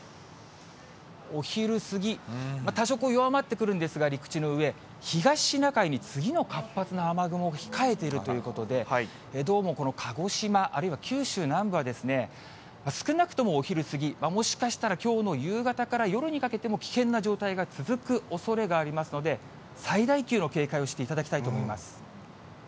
お昼過ぎ、多少弱まってくるんですが、陸地の上、東シナ海に次の活発な雨雲が控えているということで、どうも鹿児島、あるいは九州南部は、少なくともお昼過ぎ、もしかしたらきょうの夕方から夜にかけても、危険な状態が続くおそれがありますので、最大級の警戒をしていただきたいと思います。